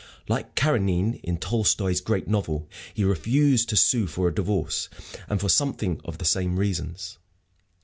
Like Karennine in Tolstoy's great novel, he refused to sue for a divorce, and for something of the same reasons.